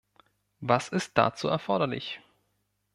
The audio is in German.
Was ist dazu erforderlich?